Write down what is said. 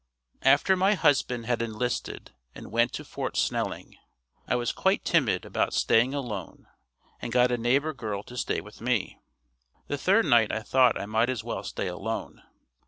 After my husband had enlisted and went to Fort Snelling, I was quite timid about staying alone and got a neighbor girl to stay with me. The third night I thought I might as well stay alone.